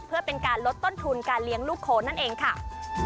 เพื่อเป็นการลดต้นทุนการเลี้ยงลูกโคนนั่นเองค่ะ